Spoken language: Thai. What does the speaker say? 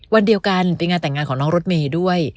วันเดียวกันเป็นงานแต่งงานของน้องรถเมย์ด้วย